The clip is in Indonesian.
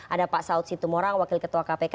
ada pak saud situmorang wakil ketua kpk